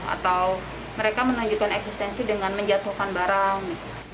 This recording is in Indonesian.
atau mereka menunjukkan eksistensi dengan menjatuhkan barang